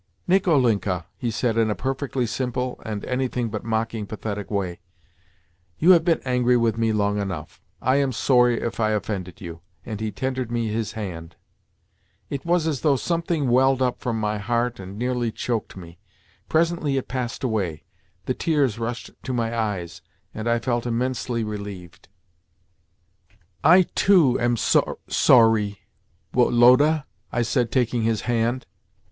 "Nicolinka," he said in a perfectly simple and anything but mock pathetic way, "you have been angry with me long enough. I am sorry if I offended you," and he tendered me his hand. It was as though something welled up from my heart and nearly choked me. Presently it passed away, the tears rushed to my eyes, and I felt immensely relieved. "I too am so rry, Wo lo da," I said, taking his hand.